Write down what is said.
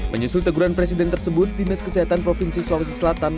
menyusul teguran presiden tersebut dinas kesehatan provinsi sulawesi selatan